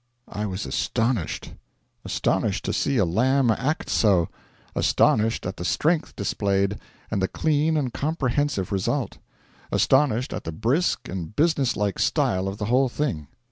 I was astonished: astonished to see a lamb act so; astonished at the strength displayed, and the clean and comprehensive result; astonished at the brisk and business like style of the whole thing.